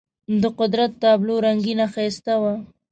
د قدرت تابلو رنګینه ښایسته وه.